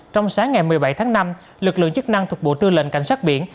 trong sáng ngày một mươi bảy tháng năm lực lượng chức năng thuộc bộ tư lệnh cảnh sát biển